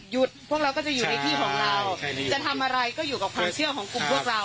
พวกเราก็จะอยู่ในที่ของเราจะทำอะไรก็อยู่กับความเชื่อของกลุ่มพวกเรา